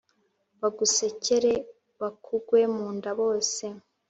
bagusekere, bakugwe mu nda bose